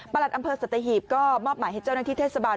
อำเภอสัตหีบก็มอบหมายให้เจ้าหน้าที่เทศบาล